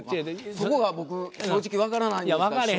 そこが僕正直わからないんですが師匠。